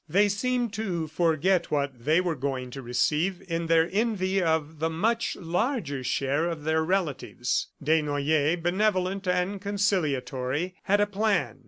They seemed to forget what they were going to receive in their envy of the much larger share of their relatives. Desnoyers, benevolent and conciliatory, had a plan.